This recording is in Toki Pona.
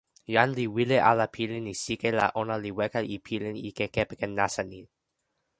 jan li wile ala pilin e sike la ona li weka e pilin ike kepeken nasin ni.